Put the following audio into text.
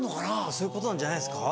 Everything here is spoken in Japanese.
そういうことなんじゃないですか。